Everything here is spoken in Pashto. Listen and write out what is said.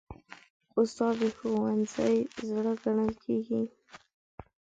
استاد د ښوونځي زړه ګڼل کېږي.